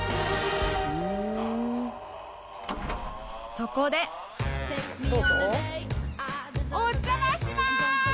そこでお邪魔します！